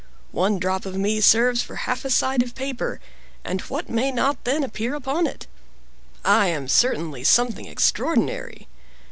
One drop of me serves for half a side of paper; and what may not then appear upon it? I am certainly something extraordinary.